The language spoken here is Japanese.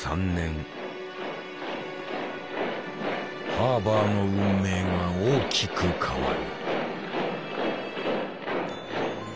ハーバーの運命が大きく変わる。